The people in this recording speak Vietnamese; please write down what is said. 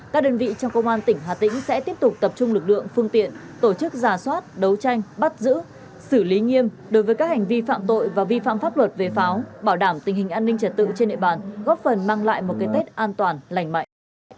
các đơn vị trong công an tỉnh hà tĩnh sẽ tiếp tục tập trung lực lượng phương tiện tổ chức giả soát đấu tranh bắt giữ xử lý nghiêm đối với các hành vi phạm tội và vi phạm pháp luật về pháo bảo đảm tình hình an ninh trật tự trên địa bàn góp phần mang lại một cái tết an toàn lành mạnh